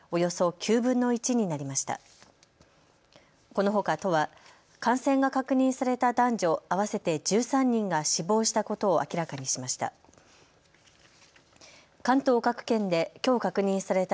このほか、都は感染が確認された男女合わせて１３人が死亡したことを明らかにしました。